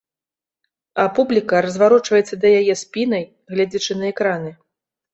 А публіка разварочваецца да яе спінай, гледзячы на экраны.